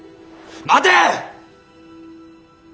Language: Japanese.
待て！